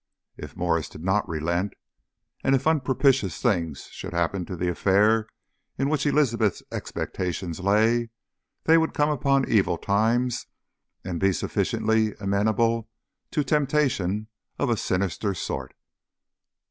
If Mwres did not relent, and if unpropitious things should happen to the affair in which Elizabeth's expectations lay, they would come upon evil times and be sufficiently amenable to temptation of a sinister sort.